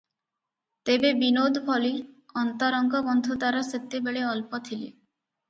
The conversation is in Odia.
ତେବେ ବିନୋଦ ଭଳି ଅନ୍ତରଙ୍ଗ ବନ୍ଧୁ ତାର ସେତେବେଳେ ଅଳ୍ପ ଥିଲେ ।